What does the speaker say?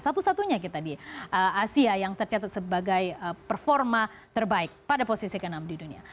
satu satunya kita di asia yang tercatat sebagai performa terbaik pada posisi ke enam di dunia